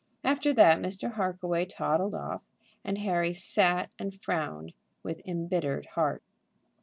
After that Mr. Harkaway toddled off, and Harry sat and frowned with embittered heart.